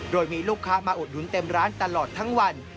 โดยมีลูกค้ามาอุดหนุนเต็มร้านตลอดทั้งวัน